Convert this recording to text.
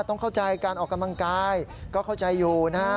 ต้องเข้าใจการออกกำลังกายก็เข้าใจอยู่นะฮะ